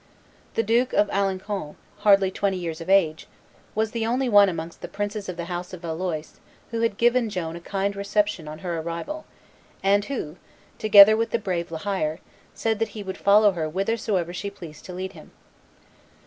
The Duke of Alencon, hardly twenty years of age, was the only one amongst the princes of the house of Valois who had given Joan a kind reception on her arrival, and who, together with the brave La Hire, said that he would follow her whithersoever she pleased to lead him.